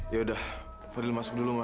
ya udah fadil masuk dulu